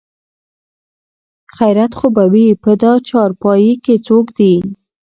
خېرت خو به وي په دا چارپايي کې څوک دي?